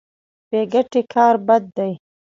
بې ګټې کار بد دی.